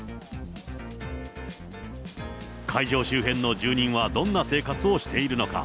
会場周辺の住民はどんな生活をしているのか。